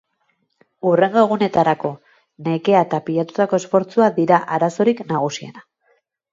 Hurrengo egunetarako nekea eta pilatutako esfortzua dira arazorik nagusiena.